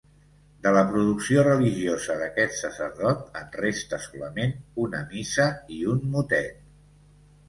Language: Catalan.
De la producció religiosa d'aquest sacerdot en resta solament una missa i un motet.